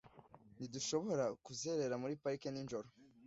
Ntidushobora kuzerera muri parike nijoro .